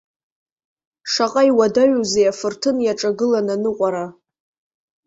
Шаҟа иуадаҩузеи афырҭын иаҿагыланы аныҟәара!